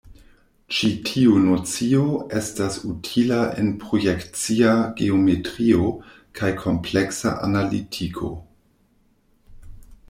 Ĉi tiu nocio estas utila en projekcia geometrio kaj kompleksa analitiko.